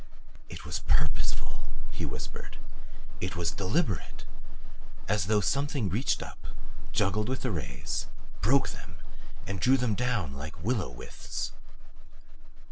"It was PURPOSEFUL," he whispered. "It was DELIBERATE. As though something reached up, juggled with the rays, broke them, and drew them down like willow withes."